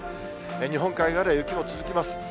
日本海側で雪も続きます。